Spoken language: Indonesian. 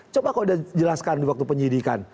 coba kok udah jelaskan di waktu penyidikan